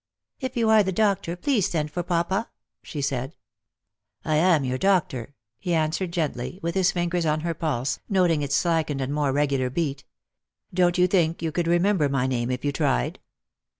'' If you are the doctor, please send for papa,'' she said. " 1 am your doctor," he answered gently, with his fingers on her pulse, noting its slackened and more regular beat. " Don't you think you could remember my name if you tried?